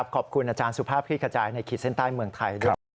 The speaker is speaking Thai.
ขอบคุณอาจารย์สภาพพิษกระจายในขีดเส้นใต้เมืองไทย